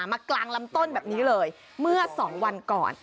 มากลางลำต้นแบบนี้เลยเมื่อ๒วันก่อน